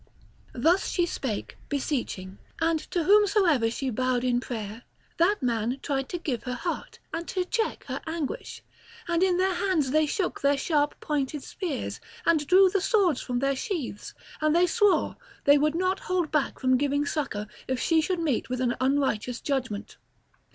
Thus she spake, beseeching; and to whomsoever she bowed in prayer, that man tried to give her heart and to check her anguish. And in their hands they shook their sharp pointed spears, and drew the swords from their sheaths; and they swore they would not hold back from giving succour, if she should meet with an unrighteous judgement.